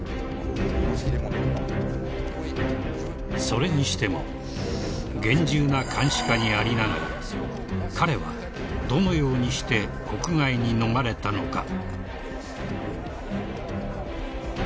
［それにしても厳重な監視下にありながら彼はどのようにして国外に逃れたのか］